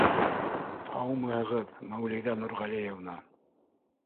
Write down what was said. — Һаумыһығыҙ, Мәүлиҙә Нурғәлиевна!